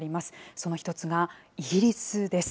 その一つがイギリスです。